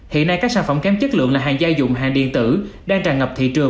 hiện nay các sản phẩm kém chất lượng là hàng gia dụng hàng điện tử đang tràn ngập thị trường